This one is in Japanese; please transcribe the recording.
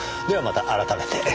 ではまた改めて。